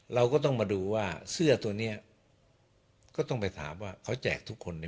เราก็ต้องมาดูว่าเสื้อตัวนี้ก็ต้องไปถามว่าเขาแจกทุกคน